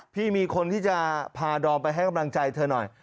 มีคนที่จะพาดอมไปให้กำลังใจเธอหน่อย